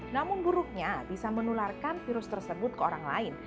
namun buruknya bisa menularkan virus tersebut ke orang lain